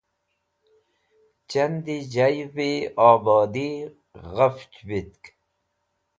Chandi Jayvi Obodi Ghafch Vitk